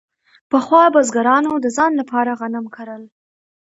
پخوا بزګرانو د ځان لپاره غنم کرل.